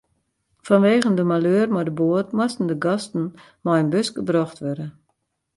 Fanwegen de maleur mei de boat moasten de gasten mei in buske brocht wurde.